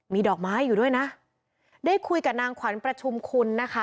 มีดอกไม้อยู่ด้วยนะได้คุยกับนางขวัญประชุมคุณนะคะ